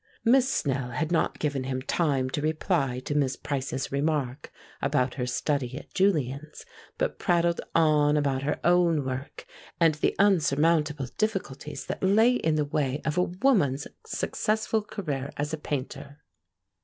Miss Snell had not given him time to reply to Miss Price's remark about her study at Julian's, but prattled on about her own work and the unsurmountable difficulties that lay in the way of a woman's successful career as a painter.